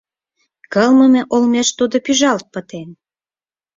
Кылмыме олмеш тудо пӱжалт пытен!